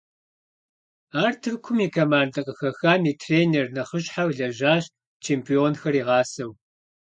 Ар Тыркум и командэ къыхэхам и тренер нэхъыщхьэу лэжьащ, чемпионхэр игъасэу.